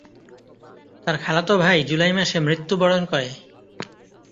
তার খালাতো ভাই জুলাই মাসে মৃত্যুবরণ করে।